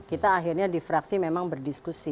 kita akhirnya di fraksi memang berdiskusi